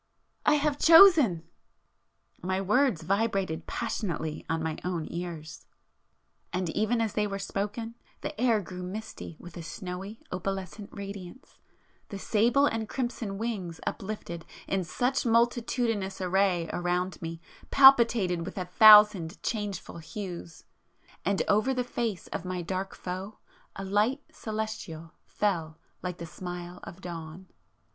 I have chosen!" My words vibrated passionately on my own ears, ... and ... even as they were spoken, the air grew misty with a snowy opalescent radiance, ... the sable and crimson wings uplifted in such multitudinous array around me, palpitated with a thousand changeful hues, ... and over the face of my dark Foe a light celestial fell like the smile of dawn!